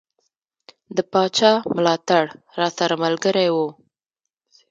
د پاچا ملاتړ راسره ملګری وو.